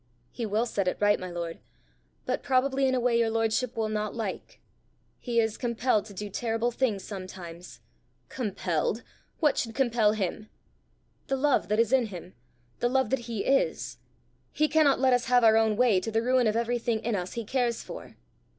"He will set it right, my lord, but probably in a way your lordship will not like. He is compelled to do terrible things sometimes." "Compelled! what should compel him?" "The love that is in him, the love that he is. He cannot let us have our own way to the ruin of everything in us he cares for!"